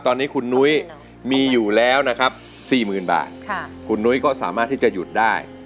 ตอนนี้คุณหนุ๊ยมีอยู่แล้วนะครับสี่หมื่นบาทค่ะคุณหนุ๊ยก็สามารถที่จะหยุดได้